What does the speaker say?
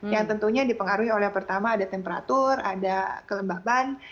yang tentunya dipengaruhi oleh pertama ada temperatur ada kelembaban